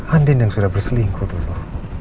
andin yang sudah berselingkuh dulu